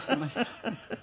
フフフフ。